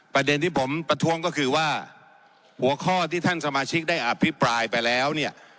ประเด็นที่ผมประท้วงก็คือว่าหัวข้อที่ท่านสมาชิกได้อภิปรายไปแล้วเนี่ย